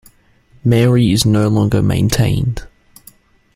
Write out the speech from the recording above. Mary is no longer maintained.